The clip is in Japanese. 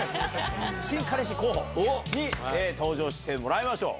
新彼氏候補に、登場してもらいましょう。